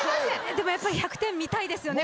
でもやっぱり１００点見たいですよね。